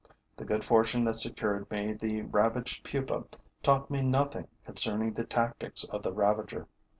The good fortune that secured me the ravaged pupa taught me nothing concerning the tactics of the ravager.